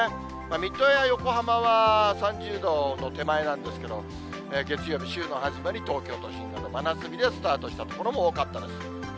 水戸や横浜は３０度の手前なんですけど、月曜日、週の始まり、東京都心、真夏日でスタートした所も多かったです。